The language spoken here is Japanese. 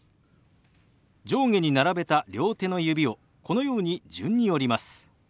上下に並べた両手の指をこのように順に折ります。